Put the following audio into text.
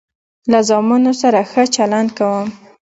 له زامنو سره ښه چلند کوم.